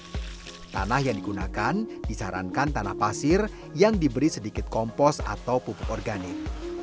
karena tanah yang digunakan disarankan tanah pasir yang diberi sedikit kompos atau pupuk organik